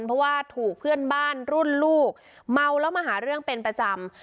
เพราะว่าถูกเพื่อนบ้านรุ่นลูกเมาแล้วมาหาเรื่องเป็นประจำ